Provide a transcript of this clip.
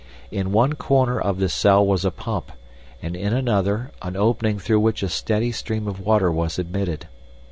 In one corner of this cell was a pump, and in another, an opening through which a steady stream of water was admitted.